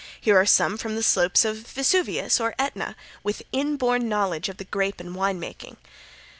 Here are some from the slopes of Vesuvius or Aetna, with inborn knowledge of the grape and of wine making.